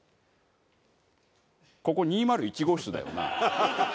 ここ２０１号室だよな？